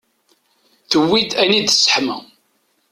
Tewwi-d ayen i d-tesseḥma.